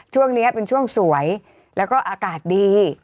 ช่วงนี้เป็นช่วงสวยแล้วก็อากาศดี